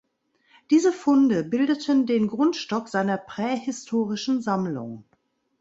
Diese Funde bildeten den Grundstock seiner prähistorischen Sammlung.